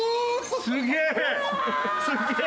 すげえ！